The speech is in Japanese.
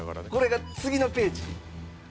これが次のページ。